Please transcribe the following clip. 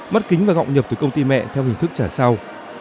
mất kính và gọng nhập từ công ty mẹ theo hình thức trả sau